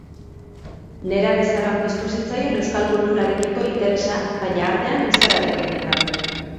Nerabezaroan piztu zitzaion euskal kulturarekiko interesa, baina artean, euskararik jakin gabe.